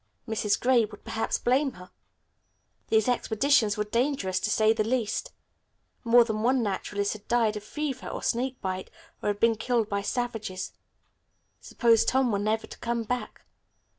Mrs. Gray would perhaps blame her. These expeditions were dangerous to say the least. More than one naturalist had died of fever or snakebite, or had been killed by savages. Suppose Tom were never to come back.